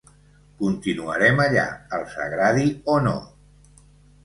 Continuarem allà, els agradi o no.